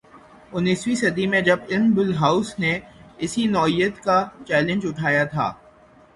انیسویں صدی میں جب علم بالحواس نے اسی نوعیت کا چیلنج اٹھایا تھا۔